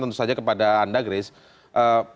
tentu saja kepada anda grace